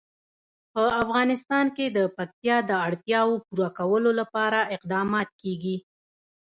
په افغانستان کې د پکتیا د اړتیاوو پوره کولو لپاره اقدامات کېږي.